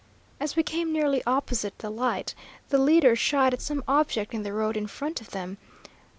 As we came nearly opposite the light, the leaders shied at some object in the road in front of them.